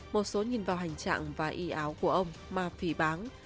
một số nhìn vào hành trạng và y áo của ông mà phỉ bán